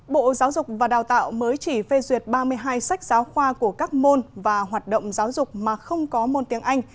bộ giáo dục và đào tạo mới chỉ phê duyệt ba mươi hai sách giáo khoa của các môn và hoạt động giáo dục mà không có môn tiếng anh